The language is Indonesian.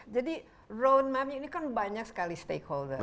jadi road map nya ini kan banyak sekali stakeholder